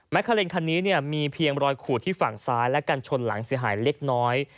คาเลนคันนี้มีเพียงรอยขูดที่ฝั่งซ้ายและกันชนหลังเสียหายเล็กน้อย